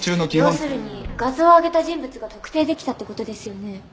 要するに画像を上げた人物が特定できたって事ですよね？